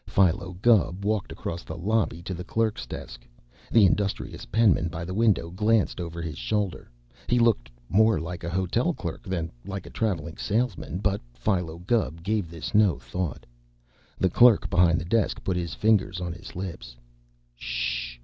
Philo Gubb walked across the lobby to the clerk's desk. The industrious penman by the window glanced over his shoulder. He looked more like a hotel clerk than like a traveling salesman, but Philo Gubb gave this no thought. The clerk behind the desk put his fingers on his lips. "Sh!"